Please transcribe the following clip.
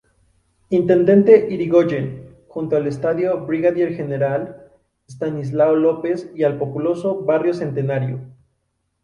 Intendente Irigoyen, junto al Estadio Brigadier General Estanislao López y al populoso "Barrio Centenario".